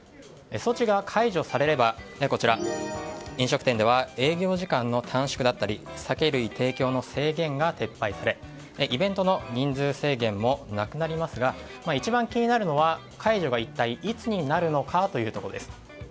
措置が解除されれば飲食店では営業時間の短縮や酒類提供の制限が撤廃されイベントの人数制限もなくなりますが一番気になるのは解除が一体いつになるのかというところです。